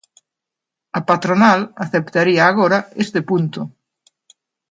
A patronal aceptaría agora este punto.